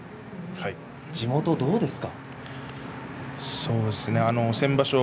地元はどうですか？